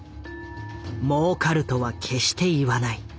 「もうかる」とは決して言わない。